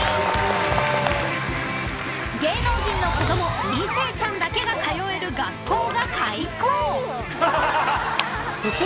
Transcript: ［芸能人の子供２世ちゃんだけが通える学校が開校］